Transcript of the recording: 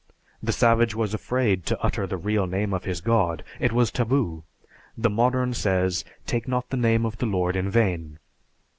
The savage was afraid to utter the real name of his god, it was taboo. The modern says, "Take not the name of the Lord in vain."